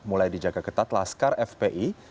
mulai dijaga ketat laskar fpi